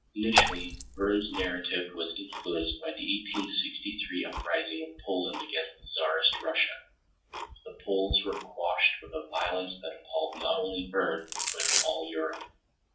Initially, Verne's narrative was influenced by the 1863 uprising of Poland against Tsarist Russia. The Poles were quashed with a violence that appalled not only Verne but all Europe.